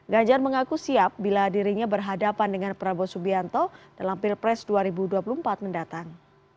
ganjar mengaku siap bila dirinya berhadapan dengan prabowo subianto dalam pilpres dua ribu dua puluh empat mendatang